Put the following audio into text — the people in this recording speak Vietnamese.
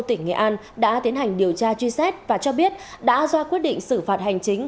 tỉnh nghệ an đã tiến hành điều tra truy xét và cho biết đã ra quyết định xử phạt hành chính